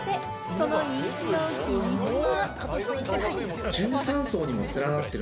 その人気の秘密は。